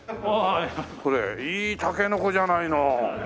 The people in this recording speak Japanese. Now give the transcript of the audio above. これいいタケノコじゃないの。